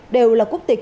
đều là khách hàng